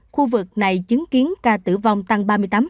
khu vực này chứng kiến ca tử vong tăng ba mươi tám